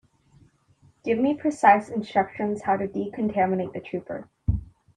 Give me precise instructions how to decontaminate the trooper.